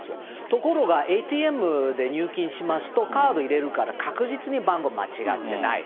ところがＡＴＭで入金しますと、カード入れるから確実に番号間違ってない。